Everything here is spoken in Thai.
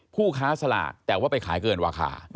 ผู้ค้าสลากแต่ว่าไปขายเกินราคา